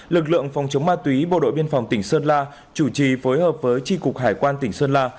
lực lượng phòng chống ma túy bộ đội biên phòng tỉnh sơn la chủ trì phối hợp với tri cục hải quan tỉnh sơn la